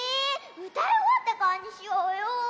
うたいおわってからにしようよ。